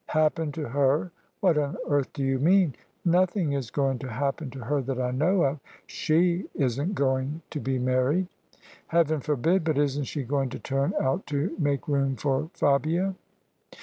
" Happen to her? What on earth do you mean? Noth ing is going to happen to her that I know of. She isn't going to be married !"" Heaven forbid ! But isn't she going to turn out to make room for Fabia?"